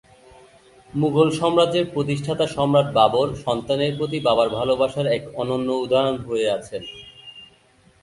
মুঘল সাম্রাজ্যের প্রতিষ্ঠাতা সম্রাট বাবর সন্তানের প্রতি বাবার ভালোবাসার এক অনন্য উদাহরণ হয়ে আছেন।